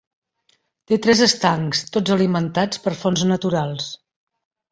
Té tres estancs, tots alimentats per fonts naturals.